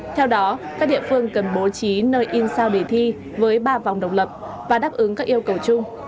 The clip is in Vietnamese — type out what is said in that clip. theo đó các địa phương cần bố trí nơi in sao để thi với ba vòng độc lập và đáp ứng các yêu cầu chung